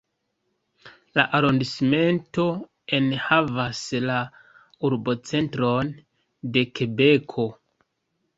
La arondismento enhavas la urbocentron de Kebeko.